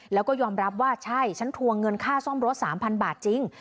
แล้วก็ยอมรับว่าใช่ฉันทวงเงินค่าซ่อมรถ๓๐๐บาทจริง